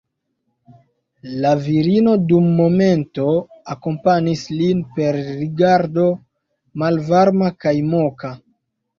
La virino dum momento akompanis lin per rigardo malvarma kaj moka.